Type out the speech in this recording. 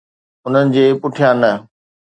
انهن جي پٺيان نه